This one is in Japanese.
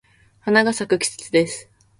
花が咲く季節です。